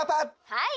はい！